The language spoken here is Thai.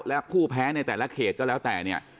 และผู้แพ้ในแต่ละเขตก็แล้วแต่เนี่ย